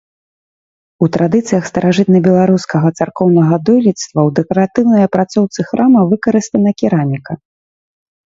У традыцыях старажытнабеларускага царкоўнага дойлідства ў дэкаратыўнай апрацоўцы храма выкарыстана кераміка.